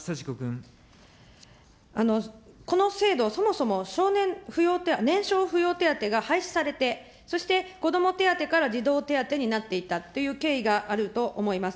この制度、そもそもしょうねんふよう、年少扶養手当が廃止されて、そしてこども手当から児童手当になっていったという経緯があると思います。